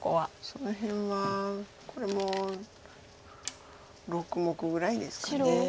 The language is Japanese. その辺はこれも６目ぐらいですか。